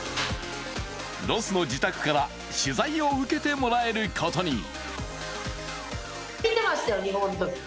ロスの自宅から取材を受けてくれることに。